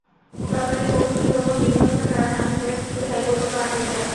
সরকারি কৌঁসুলির ওপর নির্ভরতার কারণে আসামিরা ঠিকই হাইকোর্টে পার পেয়ে গেছেন।